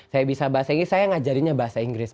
saya bisa bahasa inggris saya ngajarinnya bahasa inggris